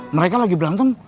mereka lagi berantem